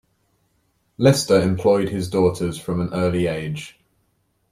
Lister employed his daughters from an early age.